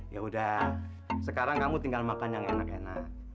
ya udah sekarang kamu tinggal makan yang enak enak